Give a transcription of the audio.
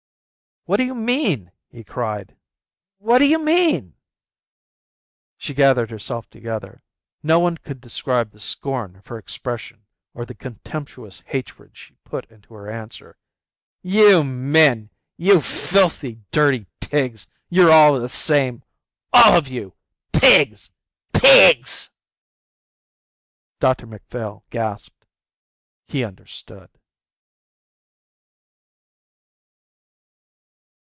"What do you mean?" he cried. "What d'you mean?" She gathered herself together. No one could describe the scorn of her expression or the contemptuous hatred she put into her answer. "You men! You filthy, dirty pigs! You're all the same, all of you. Pigs! Pigs!" Dr Macphail gasped. He understood.